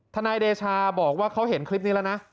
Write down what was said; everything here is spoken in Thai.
นายเดชาบอกว่าเขาเห็นคลิปนี้แล้วนะ